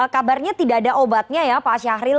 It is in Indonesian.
kabarnya tidak ada obatnya ya pak syahril